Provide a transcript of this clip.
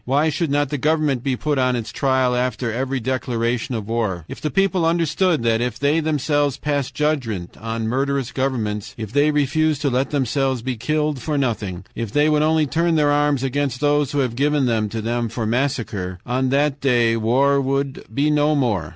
"Why should not the government be put on its trial after every declaration of war? IF THE PEOPLE UNDERSTOOD THAT, IF THEY THEMSELVES PASSED JUDGMENT ON MURDEROUS GOVERNMENTS, IF THEY REFUSED TO LET THEMSELVES BE KILLED FOR NOTHING, IF THEY WOULD ONLY TURN THEIR ARMS AGAINST THOSE WHO HAVE GIVEN THEM TO THEM FOR MASSACRE, ON THAT DAY WAR WOULD BE NO MORE.